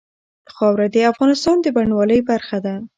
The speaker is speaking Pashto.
خاوره د افغانستان د بڼوالۍ برخه ده.